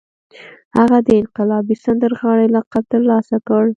هغه د انقلابي سندرغاړي لقب ترلاسه کړ